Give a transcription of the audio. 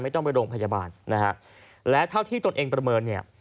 ต้องไปโรงพยาบาลนะฮะและเท่าที่ตนเองประเมินเนี่ย